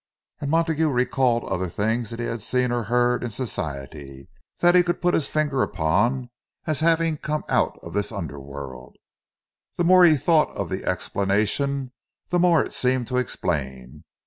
And Montague recalled other things that he had seen or heard in Society, that he could put his finger upon, as having come out of this under world. The more he thought of the explanation, the more it seemed to explain.